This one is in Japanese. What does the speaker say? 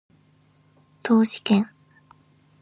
統帥権